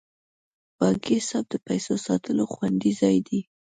بانکي حساب د پیسو ساتلو خوندي ځای دی.